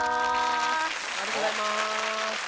ありがとうございます。